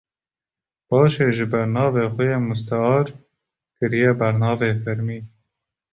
paşê jî bernavê xwe yê mustear kiriye bernavê fermî